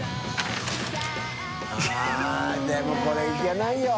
△でもこれいけないよ。